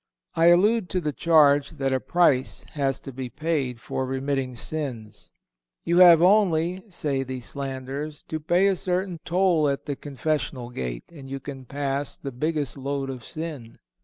I allude to the charge that a price has to be paid for remitting sins. "You have only (say these slanderers) to pay a certain toll at the confessional gate, and you can pass the biggest load of sin."